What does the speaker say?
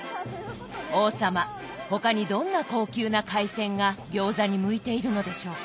王様他にどんな高級な海鮮が餃子に向いているのでしょうか？